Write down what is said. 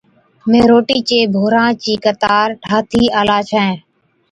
مين روٽِي چي ڀورا چِي قطار ٺاهٿِي آلا ڇَين،